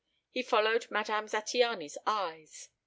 He followed Madame Zattiany's eyes.